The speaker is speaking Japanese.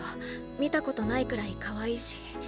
見たことないくらいかわいいし。